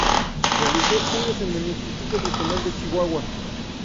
Realizó estudios en el Instituto Regional de Chihuahua.